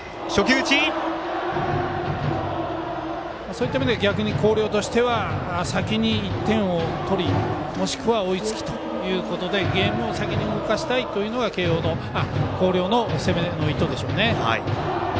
そういった意味では広陵としては先に１点を取りもしくは追いつきということでゲームを先に動かしたいというのが広陵の攻めの意図でしょうね。